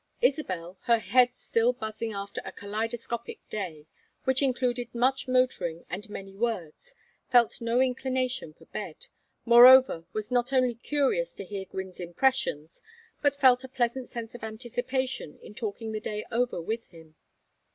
Isabel, her head still buzzing after a kaleidoscopic day, which included much motoring and many words, felt no inclination for bed, moreover was not only curious to hear Gwynne's impressions, but felt a pleasant sense of anticipation in talking the day over with him.